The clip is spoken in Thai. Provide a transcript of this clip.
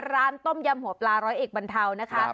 ร้านต้มยำหัวปลาร้อยเอกบรรเทานะคะ